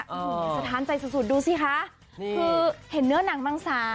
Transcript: สะทานใจสุดดูสิคะคือเห็นเนื้อหนังบางสาร